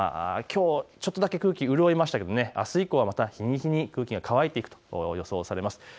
きょうちょっとだけ空気潤いましたけど、あす以降また日に日に空気が乾いていくと予想されます。